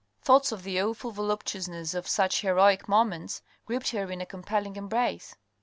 Thoughts of the awful voluptuousness of such heroic moments gripped her in a compelling embrace.